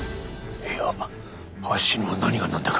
いやあっしにも何が何だか。